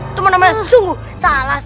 itu mana mana sungguh